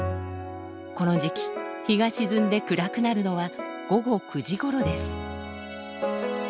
この時期日が沈んで暗くなるのは午後９時ごろです。